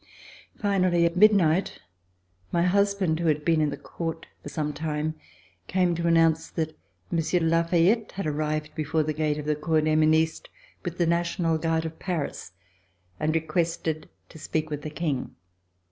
Finally at midnight, my husband, who had been in the court for some time, came to announce that Monsieur de La Fayette had arrived before the gate of the Cour des Ministres, with the National Guard of Paris, and requested to speak with the King.